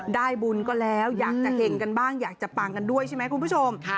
ได้บุญก็แล้วอยากจะเห่งกันบ้างอยากจะปังกันด้วยใช่ไหมคุณผู้ชม